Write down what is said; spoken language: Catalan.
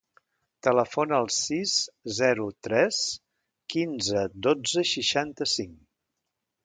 Telefona al sis, zero, tres, quinze, dotze, seixanta-cinc.